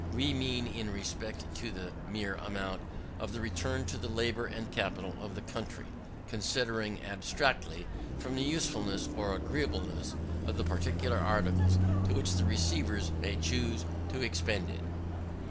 We mean in respect to the mere amount of the return to the labour and capital of the country; considered abstractedly from the usefulness or agreeableness of the particular articles on which the receivers may choose to expend it.